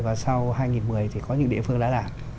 và sau hai nghìn một mươi thì có những địa phương đã làm